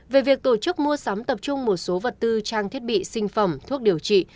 về việc tổ chức mua sắm tập trung một số vật tư trang thiết bị sinh phẩm thuốc điều trị